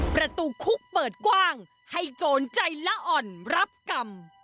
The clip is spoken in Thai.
ประตูคุกเปิดกว้างให้โจรใจละอ่อนรับกรรม